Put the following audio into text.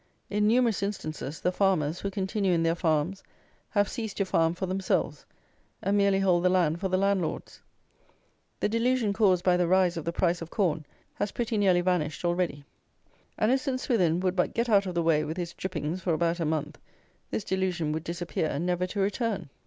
In numerous instances the farmers, who continue in their farms, have ceased to farm for themselves, and merely hold the land for the landlords. The delusion caused by the rise of the price of corn has pretty nearly vanished already; and if St. Swithin would but get out of the way with his drippings for about a month, this delusion would disappear, never to return.